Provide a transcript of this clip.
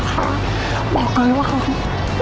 ถ้าทำภารกิจสำเร็จก็ติวลูกค้านิวอนมีตจะได้โฟมอชั่นพิเศษไป